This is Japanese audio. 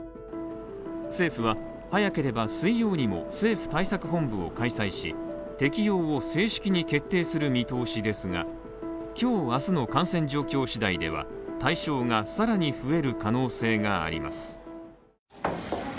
政府は、早ければ水曜にも政府対策本部を開催し、適用を正式に決定する見通しですが、今日、明日の感染状況次第では対象がさらに増える可能性があります。